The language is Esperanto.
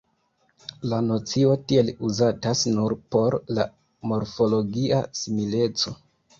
La nocio tiel uzatas nur por la morfologia simileco.